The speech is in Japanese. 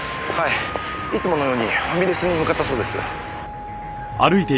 いつものようにファミレスに向かったそうです。